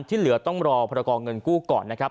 ที่เหลือต้องรอพรกรเงินกู้ก่อนนะครับ